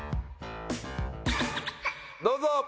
どうぞ！